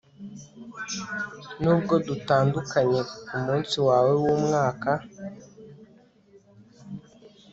nubwo dutandukanye kumunsi wawe wumwaka